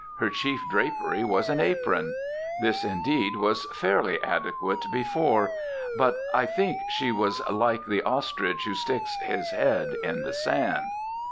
Her chief drapery was an apron. This, indeed, was fairly adequate before. But I think she was like the ostrich who sticks his head in the sand.